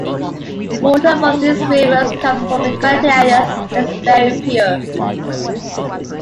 Water from these rivers come from the granitic areas and is very pure.